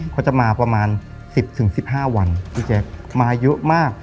เขาจะมาประมาณ๑๐๑๕วันพี่แจ๊คมาเยอะมาก